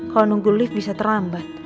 kalau nunggu lift bisa terlambat